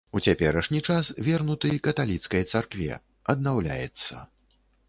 У цяперашні час вернуты каталіцкай царкве, аднаўляецца.